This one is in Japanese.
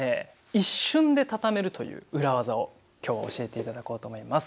一瞬でたためるという裏ワザを今日は教えていただこうと思います。